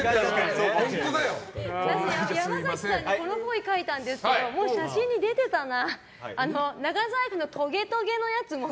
山崎さんにこのっぽい書いたんだけどもう写真に出てたな。